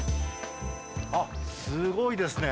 あっ、すごいですね。